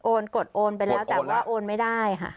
กดโอนไปแล้วแต่ว่าโอนไม่ได้ค่ะ